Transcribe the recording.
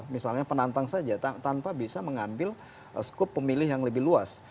misalnya penantang saja tanpa bisa mengambil skup pemilih yang lebih luas